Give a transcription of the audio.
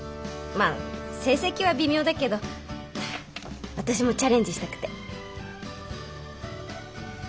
まあ成績は微妙だけど私もチャレンジしたくて。